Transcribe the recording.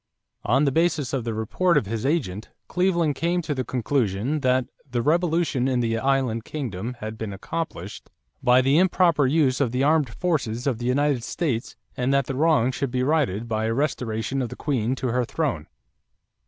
On the basis of the report of his agent, Cleveland came to the conclusion that "the revolution in the island kingdom had been accomplished by the improper use of the armed forces of the United States and that the wrong should be righted by a restoration of the queen to her throne."